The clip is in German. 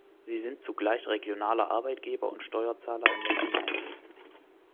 Sie sind zugleich regionale Arbeitgeber und Steuerzahler in den Gemeinden.